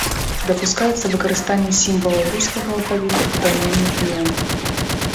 Дапускаецца выкарыстанне сімвалаў рускага алфавіта ў даменных імёнах.